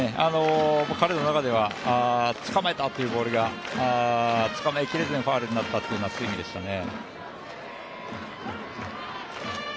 彼の中ではつかまえたというボールがつかまえきれずにファウルになったというようなスイングでしたね。